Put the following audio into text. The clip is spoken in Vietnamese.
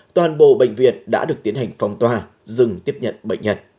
toàn bộ bệnh viện đã được tiến hành phong tỏa dừng tiếp nhận bệnh nhân